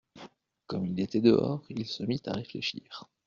Comme il était dehors, il se mit à réfléchir.